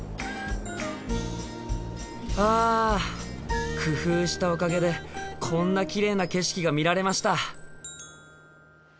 あ工夫したおかげでこんなきれいな景色が見られました。